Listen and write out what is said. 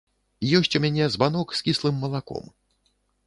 Ёсць у мяне збанок з кіслым малаком.